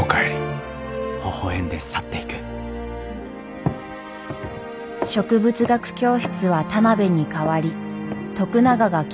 植物学教室は田邊に代わり徳永が教授となりました。